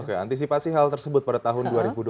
oke antisipasi hal tersebut pada tahun dua ribu dua puluh